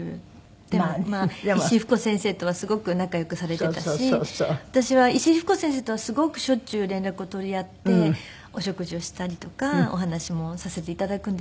でもまあ石井ふく子先生とはすごく仲良くされていたし私は石井ふく子先生とはすごくしょっちゅう連絡を取り合ってお食事をしたりとかお話もさせて頂くんですけど。